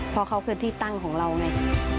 เพราะเขาคือที่ตั้งของเราไง